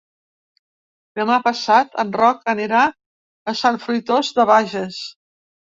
Demà passat en Roc anirà a Sant Fruitós de Bages.